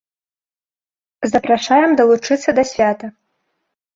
Запрашаем далучыцца да свята!